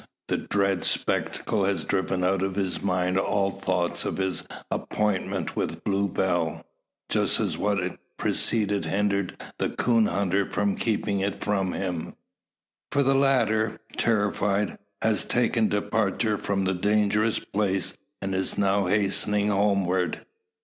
The dread spectacle has driven out of his mind all thoughts of his appointment with Blue Bell; just as what preceded hindered the coon hunter from keeping it with him. For the latter, terrified, has taken departure from the dangerous place, and is now hastening homeward.